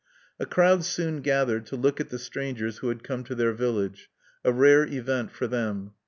"A crowd soon gathered to look at the strangers who had come to their village, a rare event for them.